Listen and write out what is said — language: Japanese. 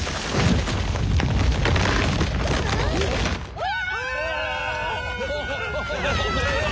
うわ！